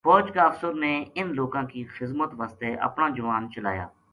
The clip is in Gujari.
فوج کا افسر نے انھ لوکاں کی خذمت واسطے اپنا جوان چلایا